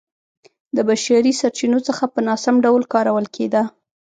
د بشري سرچینو څخه په ناسم ډول کارول کېده